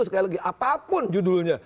sekali lagi apapun judulnya